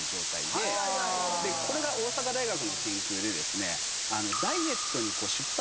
これが大阪大学の研究で。